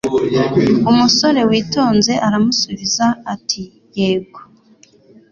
Umusore witonze aramusubiza ati: "Yego,